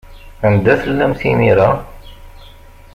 Anda tellamt imir-a?